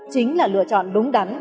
chính là lựa chọn đúng đắn